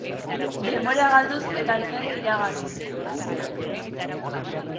Denbora galduz eta alfer iraganez.